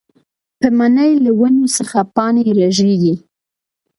پۀ مني له ونو څخه پاڼې رژيږي